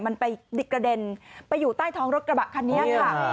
มันไปกระเด็นไปอยู่ใต้ท้องรถกระบะคันนี้ค่ะ